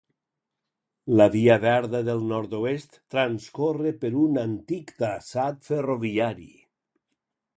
La Via Verda del Nord-oest transcorre per un antic traçat ferroviari.